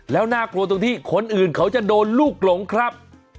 แล้วน่ากลัวตรงที่คนอื่นเขาจะโดนลูกหลงครับ